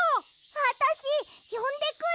あたしよんでくる！